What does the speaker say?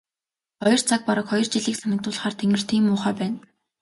Хоёр цаг бараг хоёр жилийг санагдуулахаар тэнгэр тийм муухай байна.